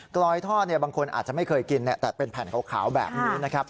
กลอยท่อบางคนอาจจะไม่เคยกินแต่เป็นแผ่นขาวแบบนี้นะครับ